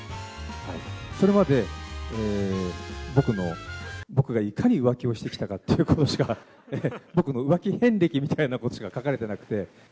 それまで、僕がいかに浮気をしてきたかということしか、僕の浮気遍歴みたいなことしか書かれてなくて。